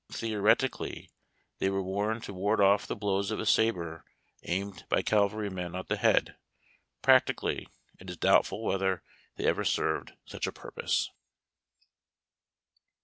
Theoretically, they were worn to ward off the blows of a sabre aimed by caval rymen at the head ; practically, it is doubtful whether they ever served such a purpose.